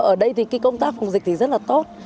ở đây thì công tác phòng dịch rất là tốt